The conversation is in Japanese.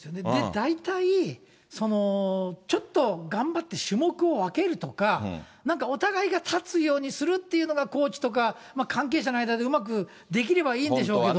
大体、ちょっと頑張って種目を分けるとか、なんかお互いが立つようにするっていうのが、コーチとか、関係者の間でうまくできればいいんでしょうけど。